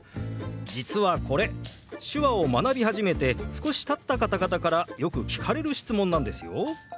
実はこれ手話を学び始めて少したった方々からよく聞かれる質問なんですよ。